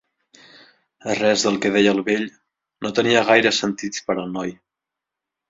Res del que deia el vell no tenia gaire sentit per al noi.